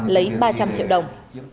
lấy ba trăm linh triệu đồng